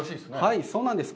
はい、そうなんです。